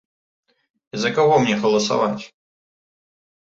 І за каго мне галасаваць?